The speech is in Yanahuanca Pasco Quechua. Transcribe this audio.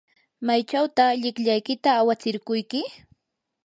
¿maychawtaq llikllaykita awatsirquyki?